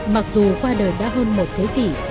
mặc dù qua đời đã hơn một thế kỷ